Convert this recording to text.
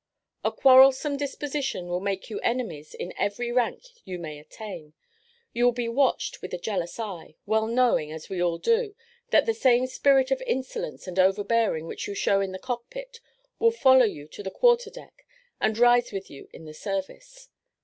A quarrelsome disposition will make you enemies in every rank you may attain; you will be watched with a jealous eye, well knowing, as we all do, that the same spirit of insolence and overbearing which you show in the cockpit, will follow you to the quarter deck, and rise with you in the service.